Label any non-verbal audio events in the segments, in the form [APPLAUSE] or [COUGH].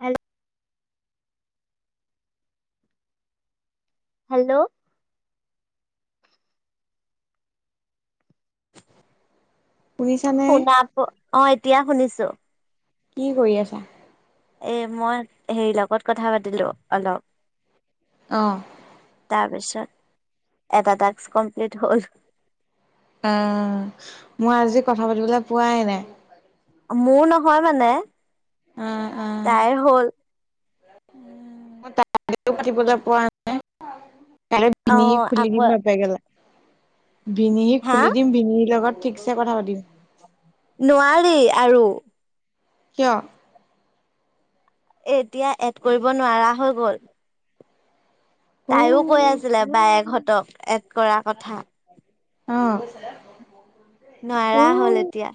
Hello. Hello. শুনিছানে শুনা অ এতিয়া শুনিছোঁ। কি কৰি আছা। এ মই হেৰি লগত কথা পাতিলো অলপ। অ', তাৰপিছত। এটা টাস্ক কমপ্লিট হ'ল। অ মই আজি কথা পাতিবলৈ পোৱাই নাই। মোৰ নহয় মানে। অ অ। তাইৰ হ'ল পাতিবলৈ পোৱা নাই কাই অ ভিঙি খুলি আকৌ দিম বাপেকেগেলা। ভিনিহি হা খুলি দিম ভিনিৰ লগত ঠিকছে কথা পাতিম। নোৱাৰি আৰু। কিয়। এ এতিয়া এড কৰিব নোৱাৰা হৈ গ'ল। উ তাইও কৈ আছিলে বায়েকহঁতক এড কৰা কথা। অ। উ নোৱাৰা হ'ল এতিয়া।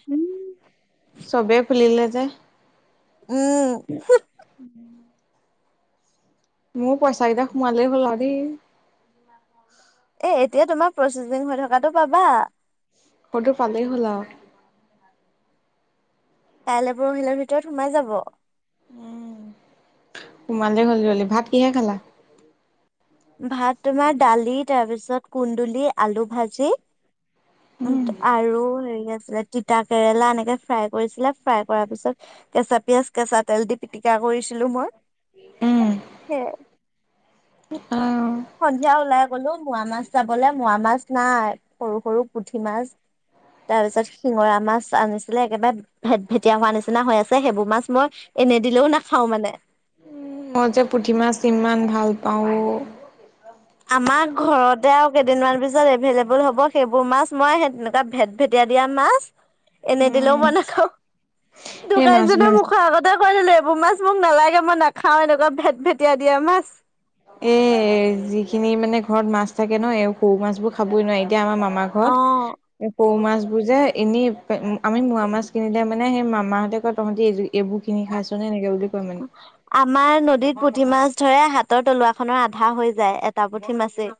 যেহ। উম। মোৰ পইচা কেইটা সোমালেই হ'ল আৰু দেই। এ এতিয়া তোমাৰ প্ৰচেছিং হৈ থাকাতটো পাবা। সটো পালেই হ'ল আও। কাইলৈ পৰহিলাৰ ভিতৰত সোমাই যাব। উম। সোমালে হ'ললি ভাত কিহে খালা। ভাত তোমাৰ দালি তাৰপিছত কুন্দুলি আলু ভাজি। উ উম, আৰু হেৰি আছিলে। তিতা কেৰেলা এনেকে ফ্ৰাই কৰিছিলে ফ্ৰাই কৰাৰ পিছত কেঁচা পিয়াজ কেঁচা তেল দি। পিটিকা কৰিছিলো মই উম, সেয়া। অ', সন্ধিয়া ওলাই গলো মোৱা মাছ যাবলৈ মোৱা মাছ নাই সৰু সৰু পুঠি মাছ। তাৰপিছত শিঙৰা মাছ আনিছিলে একেবাই। ভেত ভেটিয়া হোৱা নিচিনা হৈ আছে সেইবোৰ মাছ মই এনে দিলেও নাখাও মানে। মই যে পুঠিমাছ। ভাল পাওঁ। আমাৰ ঘৰতে আৰু কেইদিনমান পিছত এভেইলেবোল হ'ব সেইবোৰ মাছ মই স তেনেকুৱা ভেত ভেটিয়া দিয়া মাছ। এনে দিলেও উম, মইনখাওঁ এই মাছ দোকানীজনে মাছ মখ আগতে কয় দিলো। কবু মাছ মোক নালাগে মই নাখাও এনেকুৱা ভেট ভেটিয়াই দিয়া মাছ। এ যিখিনি মানে ঘৰত মাছ থাকে ন সৰু মাছ বোৰ খাবই নোৱাৰি। এতিয়া আমাৰ মামাৰ অ', ঘৰত সৰু মাছ বোৰ যে এনে আমি মোৱা মাছ কিনিলে মানে। মানে সেই মামাহঁতেকয় তহতি যোই। আমাৰ নদীত পুঠি মাছ। ধৰে হাতৰ তলুৱা খনৰ আধা হৈ যায় এটা পুঠি মাছেই।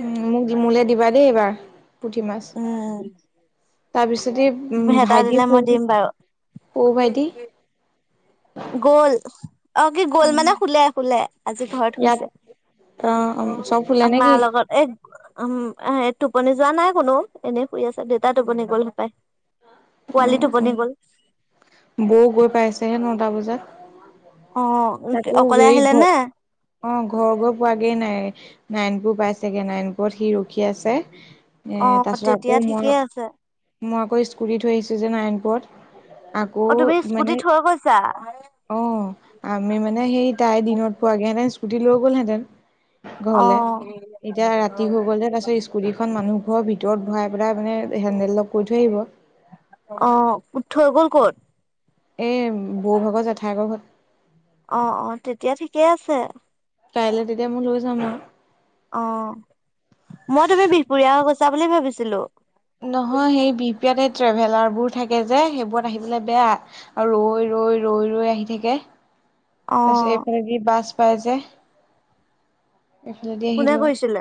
উম মোক মোলে দিবা দেই এইবাৰ পুঠি মাছ উম, তাৰপিছ। যদি উ ভেটা ভাইটি দিলে মই স দিম বাৰু। সৰু ভাইটি। গ'ল অ কি গ'ল উম মানে শুলে শুলে। আজি ঘৰত ইয়াত শুইছে অ চব শুলে মাৰ নেকি লগত এ উম। আহ টোপনি যোৱা নাই কোনো এনেই শুই আছে দেউতা টোপনি গ'ল সপায়। অ অ বৌ গৈ পাইছেহে ন। টা বজাত। অ', তাকো অকলে হেৰি আহিলে ঘ নে? অ ঘৰ গৈ পোৱাগে নাই। নায়নপুৰ পাইছেগৈ নায়নপুৰত সি ৰখী আছে। এ অ', তাৰ পিছত তেতিয়া আকৌ মই ঠিকেই আছে মই আকৌ স্কুট থৈ আহিছো যে নায়ণপুৰত। অ তুমি স্কুটি থৈ গৈছা অ আমি মানে সেই তাই দিনত পোৱাগেহেঁতেন স্কুটি লৈ গ'লহেঁতেন অ ঘৰলে এতিয়া ৰাতি হৈ গ'ল যে তাৰ পছত স্কুটিখন মানুহ ঘৰৰ ভিতৰত। ঘৰাই পেলাই মানে হেনডেল লগ কৰি থৈ আহিব অ উ থৈ গ'ল ক'ত এই বৌভাগৰ জেঠাইকৰ ঘৰত অ অ তেতিয়া ঠিকেই আছে। কাইলৈ তেতিয়া মই লৈ যাম আৰু অ মই তুমি বিহপুৰীয়া কৈছো। চা বুলি ভাবিছিলো। নহয় সেই বিপি ট্ৰেভেলাৰ বোৰ থাকে যে সেইবোৰত আহি পেলাই বেয়া আৰু ৰৈ ৰৈ ৰৈ ৰৈ আহি থাকে। অ তাৰপাছত এইফালেদি বাছ পাইজে। কোনে কৈছিলে?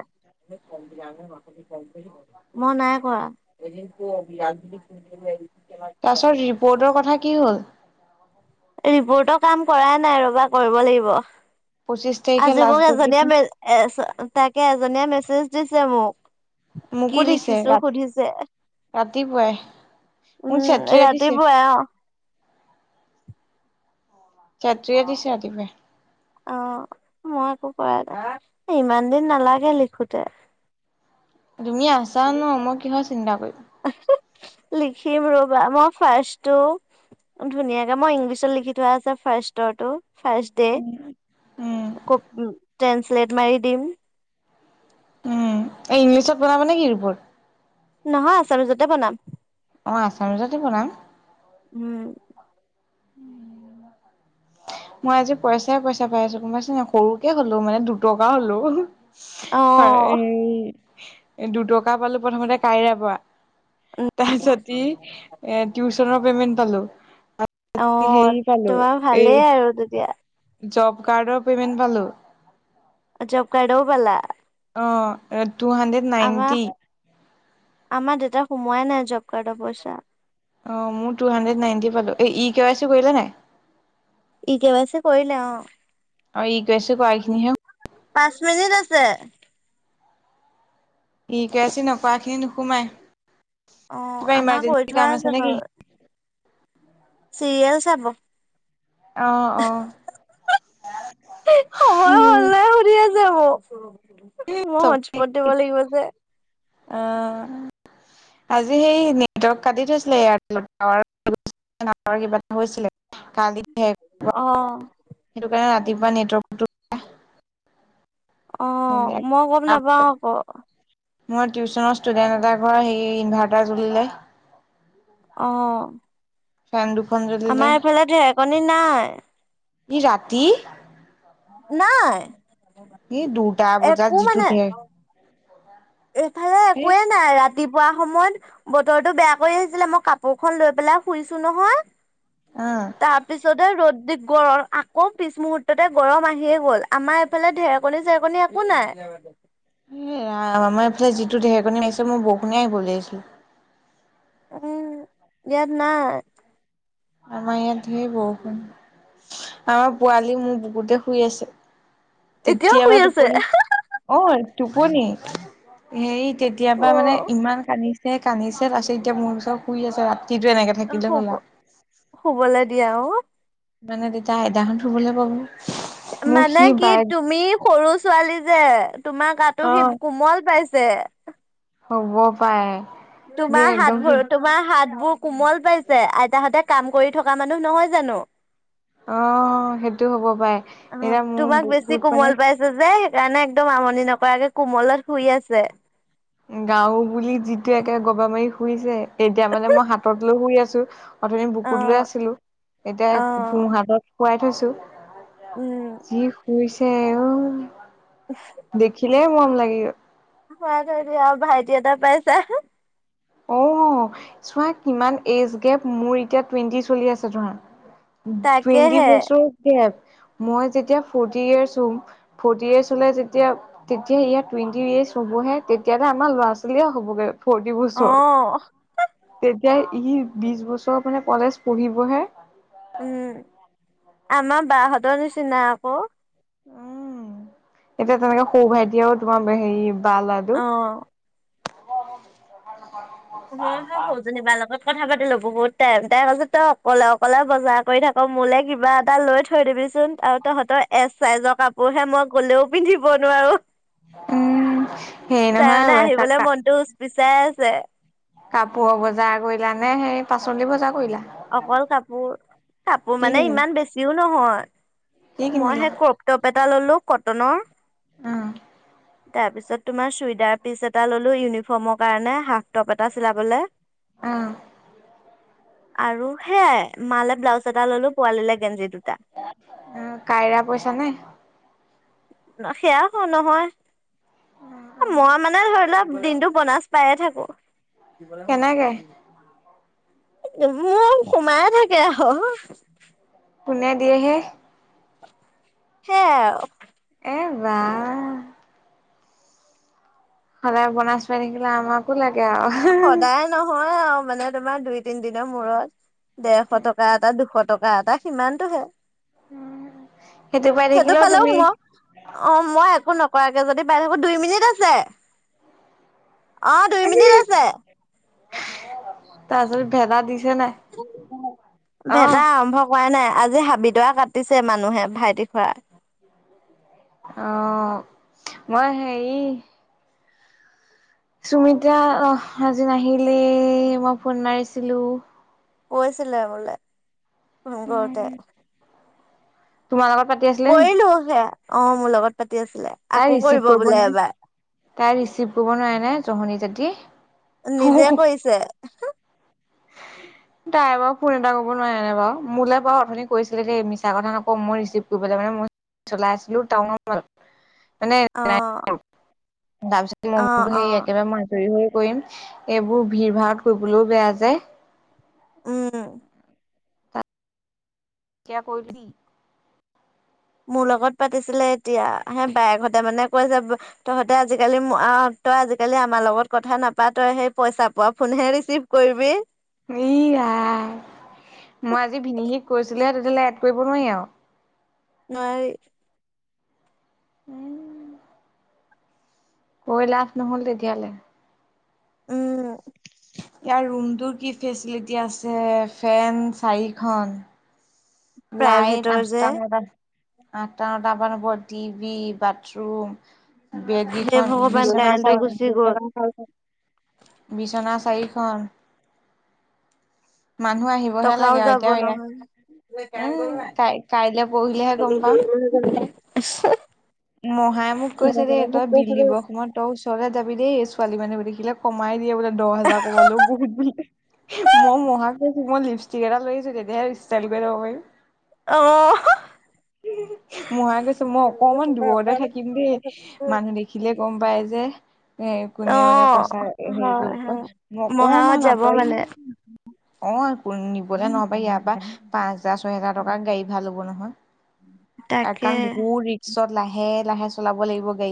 মই নাই কৰা। তাৰ পিছত ৰিপৰ্টৰ কথা কি হ'ল? ৰিপৰ্টৰ কাম কৰাই নাই ৰবা কৰিব লাগিব। পঁচিশ তাৰিখে আজি মোক লাষ্ট ডেট এজনীয়া দিছে মে তাকে এজনীয়া মেছেজ বুজিছে মোক কি মোকো দিছে লিখিছো ৰাতি সুধিছে ৰাতিপুৱাই মোক উম চেত্ৰীয়ে দিছে ৰাতিপুৱাই অ ছাত্ৰীয়ে দিছে ৰাতিপুৱাই অ মই একো কৰা ন ইমান দিন নালাগে লিখোতে। তুমি আছা ন মই কিহৰ চিন্তা কৰিম। লিখিম ৰবা মই ফাৰ্ষ্টটো। ধুনীয়াকে মই ইংলিছত লিখি থোৱা আছে ফাৰ্ষ্ষ্টৰটো। ফাৰ্ষ্ট ডে উম ট্ৰেসলেট মাৰি দিম। উম এই ইংলিছত বনাবা নে কি এইবোৰ নহয় আছ আচলটোতে বনাম। অ আচাম ৰোজাতে বনাম উম উম মই আজি পইচাই পইচা পাই আছো গম পাইছ ন সৰুকে হলো মানে দুটকা হলও অ এ দুটকা পালো প্ৰথমতে কাইৰা পৰা। তাৰিছত এ টিউচনৰ পেমেন্ট পালো। অ সেই পালো তোমাৰ এই ভালেই আৰু তেতিয়া। জব কাৰ্ডৰ পেমেণ্ট পালো। জব কাৰ্ডৰও পালা। অ টু হানড্ৰেড আমাৰ নাইনটি। আমাৰ দেউতা সোমোৱাই নাই জব কাৰ্ডৰ পইচা। অ মোৰ টু হাণ্ড্ৰেড নাইণ্টি পালো ই কে ৱাই চি কৰিলে নাই ই কেৱাইছি কৰিলে অ। আৰু ই কৈছে কোৱাখিনি হে পাঁচ মিনিট আছে। ই ক ৱাই চি নকৰা খিনি নোসোমাই। অ কিবা আমাৰ কৰি ইমাৰজেন্ঞ্চি থোৱা কাম আছে নে কি? বাৰু চিৰিয়েল চাব। আহ আহ সময় উম। হ'ল নাই সুধি মই হটস্পট দিব লাগিব যে। আহ আজি সেই নেটৱৰ্ক কাটি থৈছিলে এয়াৰটেল টাৱাৰ কিবা এটা হৈছিলে কালি শেষ অ সেইটো কাৰণে ৰাতিপুৱা নেটৱৰ্কটো। অ মই গম নাপাওঁ আকৌ। সেইদিনাখন টিউশচনৰ ষ্টুডেণ্ট এটাৰ ঘৰৰ সেই ইনভাৰ্টাৰ জলিলে। আহ ফ্ৰেণ্ড আমাৰ এইফালে ঢেৰেকনি নাই। ৰাতি নাই। এই দুটা বজাত একো যিটো মানে এইফালে হে একোৱে নাই ৰাতি। ৰাতিপুৱা সময়ত বতৰটো বেয়া কৰি আহিছিলে মই কাপোৰ খন লৈ পেলাই শুইছো অ নহয়। তাৰপিছতে ৰ'দ দি গৰম আকৌ পিছ মুূহুৰ্ততে গৰম আহিয়ে গ'ল আমাৰ এইফালে ঢেৰেকনী চেৰেকণনি একো নাই। [UNINTELLIGIBLE] এ ৰাম এইফালে যিটো ঢেকনি আহিছে মই বৰষুণ আহিব ভাবিছিলো। উম ইয়াত নাই। আমাৰ ইয়াত ধেৰ বৰষুণ। আমাৰ পোৱালি মোৰ বুকুতে শুই আছে। এতিয়াও তেতিয়া শুই পা আছে টোপনি অ। টোপনি হে তেতিয়া পৰা মানে অ ইমান কান্দিছে। সেই কান্দিছে তাৰ পিছত এতিয়া মোৰ ওচৰত শুই আছে ৰাতি টো এনেকে থাকিলে শুব হ'ল আৰু শুবলে দিয়া অ মানে তেতিয়া আদাখন শুবলৈ পাব। মোক মানে সি কি বাই তুমি সৰু ছোৱালী যে তোমাৰ গাটো অ সি কোমল পাইছে। যে হ'ব পায়। তোমাৰ হাত ভৰি তোমাৰ হাত। বোৰ কোমল পাইছে আইতাক হতে কাম কৰি থকা মানুহ নহয় জানো। অ সেইটো হ'ব পাৰে অ এতিয়া মোৰ তোমাক বেছি বহুত মানে কোমল পাইছ যে। সেইকাৰণে একদম আমনি নকৰাকে কোমলত শুই আছে। গাৰু বুলি যিটো একে গবা মাৰি শুইছে এতিয়া মানে মই হাতত লৈ শুই আছো। অথনি অ বুকুত লৈ আছিলো এতিয়া অ সোঁহাতত শুৱাই থৈছো। উম যি শুইছে অ দেখি। এনে মৰম লাগি গ হয় ত আৰু ভাইটি এটা পাইছা। অ চোৱা কিমান এজ গেপ মোৰ এতিয়া টুৱেণ্টি চলি আছে ধৰা। টুৱেণ্টি তাকেহে বছৰ গেপ। মই যেতিয়া ফৰটি এইজ হ'ম ফৰটি এইজ হ'লে তেতিয়া ইয়াৰ টুৱেন্টি এইজ হবহে তেতিয়া আমাৰ ল'ৰা ছোৱালীয়ে হ'বগৈ ফৰটি অ। বছৰ। তেতিয়া ই বিশ বছৰ মানে কলেজ পঢ়িবহে। উম আমাৰ বাহঁতৰ নিচিনা আকৌ। উম এতিয়া তেনেকে সৌ ভাইটি আৰু তোমাৰ হেৰি বা অ ল'ৰাটো। অ [UNINTELLIGIBLE] সেনেকা কৰিবি তাৰ লগত কথা পাতি লবি বহুত টাইম টাইম আছে তই অকলে অকলে বজাৰ কৰি থাক মোলৈ কিবা এটা লৈ থৈ দিবিচোন। তহঁতৰ এছ চাইজৰ কাপোৰহে মই গলেও পিন্ধিব নোৱাৰো। উম, হেৰি তাৰমানে নহয় আহিবলৈ মনটো উচ পিচাই আছে। কাপোৰ বজাৰ কৰিলা নে সেই পাচলি বজাৰ কৰিলা। অকল কাপোৰ কাপোৰ কি মানে কিনিলা ইমান বেছিও নহয়। কি মই কিনিলা? সেই ক্ৰপ টপ এটা ললো কটনৰ। অ তাৰ পিছত তোমাৰ চুইদাৰ পিচ এটা ললো ইউনিফৰ্মৰ কাৰণে শা। টপ এটা চিলাবলৈ। অ আৰু সেয়াই মালে ব্লাউজ এটা ললো পোৱালিলে গেঞ্জী। অ কাইৰা পইচা নে? সেয়া হ নহয়। মই মানে ধৰি লওঁক দিনটো বনাছ পায়ে থাকো। কি কলে। কেনেকে মোৰ সোমাইয়ে থাকে হ অ। কোনে দিয়েহে। সেইয়াই আৰু হে বা। সদায় বনাছ পাই থাকিলে আমাকো লাগে। আৰু সদায় নহয় আও। মানে তোমাৰ দুই তিনি দিনৰ মূৰত ডেৰশ টকা এটা দুশ টকা এটা সিমানটোহে। পাই সেইটো থাকিলেও পালে তুমি মই অ মই একো নকৰাকে। যদি পাই থাকো দুই মিনিট আছে অ দুই মিনিট আছে। তাছতে। অ ভেদা আৰম্ভ কৰাই নাই। আজি হাবিদৰা কাটিছে মানুহে ভাইটি খুৰা। অ মই হেৰি সুমিত্ৰা আ আজি নাহিলে মই ফোন মাৰিছিলো। কৈছিলে বোলে ফোন কৰোঁতে। তোমাৰ লগত। পাতি আছিলে নি কৰিলো সেয়া অ মোৰ লগত পাতি আছিলে তাই আকৌ ৰিচিভ কৰিব বোলে নোৱাৰে এবাৰ। তাই ৰিচিভ কৰিব নোৱাৰে নে জহনী যাতি। নিজে কৰিছে [INAUDIBLE] তাই বাৰু ফোন এটা কৰিব নোৱাৰে নাই বাৰু মোলৈ বাৰু অথনি কৈছিলে দেই মিছা কথা নকওঁ মই ৰিচিভ কৰিব মানে ম। চলাই আছিলো টউনত। অ। তাৰপিছত অ মই মোৰতো অ সেই একেবাৰে আজুৰি হৈ। কৰিম এইবোৰ ভিৰ ভাৰত কৰিবলৈও বেয়া যায়। উম। এতিয়া কৰি দিবি। মোৰ লগত পাতিছিলে এতিয়া হে বায়েকহঁতে মানে কৈ যাব তহঁতে আজিকালি। তই আজিকালি আমাৰ লগত কথা নাপাতই সেই পইচা পোৱা ফোনহে ৰিচিভ কৰিবি। আই মই আজি ভিনিহিক কৈছিলোহে এড কৰিব নোৱাৰি আৰু নোৱাৰি উম কৈ লাভ নহল তেতিয়ালে উম ইয়াৰ ৰুমটোৰ কি ফেচিলিটি আছে ফেন চাৰিখন লাইন প্ৰাইভেটৰ যে আঠটা নটা আঠটা নটামান হব টিভি বাথৰুম বেদ হে গিখন ভগৱান বিছনা কাৰেণ্টটো চাৰিখন গুচি গ'ল বিছনা চাৰিখন মানুহ আহিবহে টকাও লাগে আৰু যাব এতিয়া ইয়াত নহয় উম কাই কাইলে পৰহিলেহে গম [UNINTELLIGIBLE] মহায়ে মোক কৈছে দেই তই বিল দিব সময়ত তই ওচৰলে যাবি দেই ছোৱালী মানুহবোৰ দেখিলে কমাই দিয়ে বোলে দহ হাজাৰ কমালো বহুত বোলে মই মহাক কৈছো মই লিপ চিগৰাটা লৈ আহিছোঁ তেতিয়া হে ষ্টাইল কৰিব পাৰিম - আহ- মহাই গৈছো মই অকমান দূৰতে থাকিম দেই মানুহ দেখিলে- গম পাই যে- এ অ কোনে মানে পইচা হেৰি হয় কৰিব কয় হয় মই মহাহত অকণমান যাব আঁতৰি- মানে অ নিবলৈ নহবা ইয়াৰ পৰা পাঁচ হাজাৰ ছয় হোজাৰ টকাৰ গাড়ী ভাল হ'ব নহয়- তাকে কাৰণ বহুত ৰিক্সত লাহে লাহে চলাব লাগিব গাড়ী।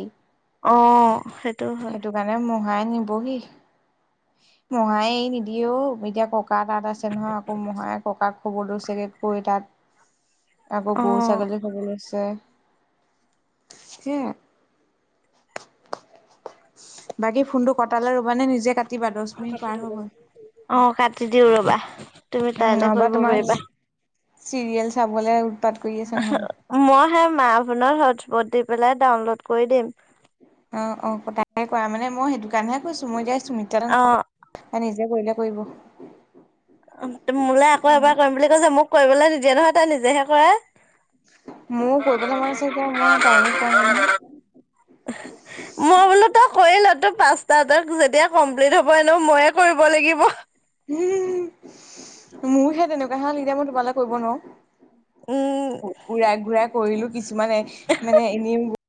অ সেইটো কাৰণে মই নিবহি মহাই নিদিয়ে অহ এতিয়া ককা ককা তাত আছে নহয় আকৌ মহাই ককাক খবৰ লৈছেগে গৈ‌‌ তাত আকৌ বহুত অ ছাগলী খাবলে লৈছে। তাকে বাকী ফোনটো কটালে ৰবা নে নিজে কা- অ কাটি দিও ৰবা- তুমি উম তাইলে নহবা কৰিব তোমাৰ পাৰিবা- চিৰিয়েল চাবলে- কৰি আছে নহ'লে। মই সেই মাহ ফোনত হটস্পট দি পেলাই ডাউনলোড কৰি দিম- অ অ কটাকে কৰা মানে মই সেইটো কাৰণেহে কৈছো মই এতিয়া চুমিত্ৰা অ কৰিলে কৰিব। মোলৈ আকৌ এবাৰ কৰিম বুলি কৈছে মোক কৰিবলৈ নিদিয়ে নহয় তাই নিজেহে কৰে। মোৰো কৰিবলৈ মন আছে কিন্তু মই টাইম এহ পোৱা নাই নহৈ। মই বোলো তই তোৰ পাঁচটা এটাত‌ গৈ কমপ্লিট হব এনে ময়ে কৰিব লাগিব। মোৰ হে তেনেকুৱা হে এতিয়া মই তোমালৈ কৰিব উম নোৱাৰোঁ। ‍ঘূৰাই ঘূৰাই কৰিলোঁ কিছুমানে মানে এনেও